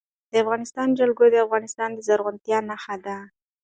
د افغانستان جلکو د افغانستان د زرغونتیا نښه ده.